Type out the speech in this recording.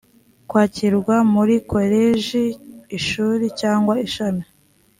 kwakirwa muri koleji, ishuri cyangwa ishami